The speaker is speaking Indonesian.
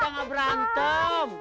kita ga berantem